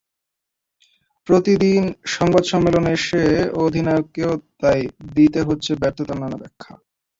প্রতিদিন সংবাদ সম্মেলনে এসে অধিনায়ককেও তাই দিতে হচ্ছে ব্যর্থতার নানা ব্যাখ্যা।